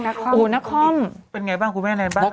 เป็นยังไงบ้างคุณแม่ง